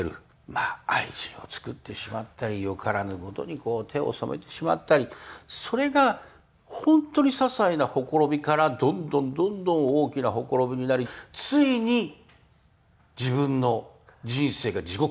まあ愛人をつくってしまったりよからぬことに手を染めてしまったりそれが本当にささいなほころびからどんどんどんどん大きなほころびになりついに自分の人生が地獄と化していく。